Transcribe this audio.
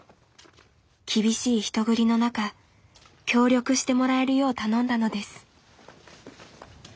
厳しい人繰りの中協力してもらえるよう頼んだのです。